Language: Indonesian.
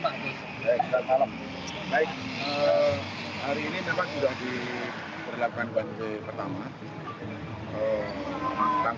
baik hari ini memang sudah diberlakukan one way pertama